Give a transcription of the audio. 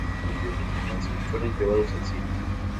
Tres de los libros de Johnston fueron llevados al cine.